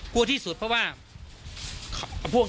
กลัวที่สุดเพราะว่าพวก